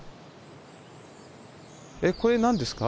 えっこれ何ですか？